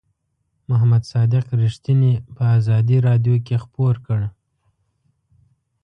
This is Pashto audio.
محمد صادق رښتیني په آزادۍ رادیو کې خپور کړ.